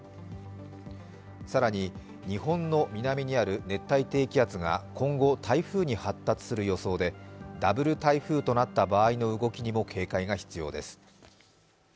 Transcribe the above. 更に日本の南にある熱帯低気圧が今後、台風に発達する予想でダブル台風となった場合の動きにも警戒が必要です。